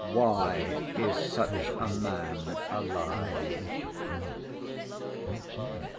Why Is Such A Man Alive?